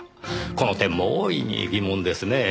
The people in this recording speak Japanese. この点も大いに疑問ですねぇ。